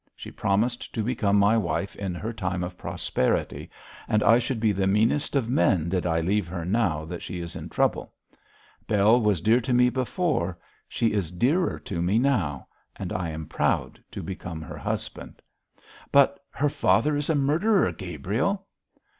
She promised to become my wife in her time of prosperity, and I should be the meanest of men did I leave her now that she is in trouble. Bell was dear to me before; she is dearer to me now; and I am proud to become her husband.' 'But her father is a murderer, Gabriel!'